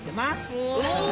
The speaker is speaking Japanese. お。